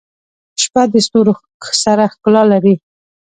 • شپه د ستورو سره ښکلا لري.